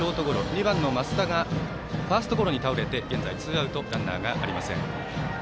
２番の増田がファーストゴロに倒れて現在、ツーアウトランナーありません。